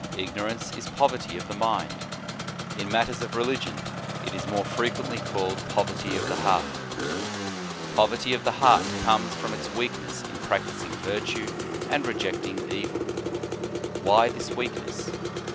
Ignorance is poverty of the mind. In matters of religion it is more frequently called poverty of the heart. Pov erty of the heart comes from its weakness in practising virtue and rejecting evil. Why this weakness?